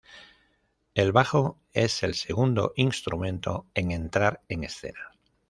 El bajo es el segundo instrumento en entrar en escena.